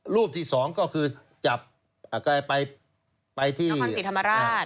รูปที่สองก็คือจับไปที่นครศรีธรรมราช